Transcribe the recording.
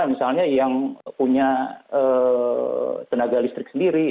misalnya yang punya tenaga listrik sendiri